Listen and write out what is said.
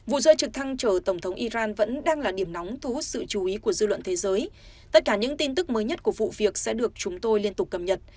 vụ rơi trực thăng chở tổng thống iran vẫn đang là điểm nóng thu hút sự chú ý của dư luận thế giới